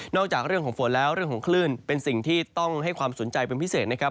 จากเรื่องของฝนแล้วเรื่องของคลื่นเป็นสิ่งที่ต้องให้ความสนใจเป็นพิเศษนะครับ